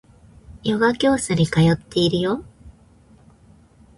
ヨガ教室に通っているよ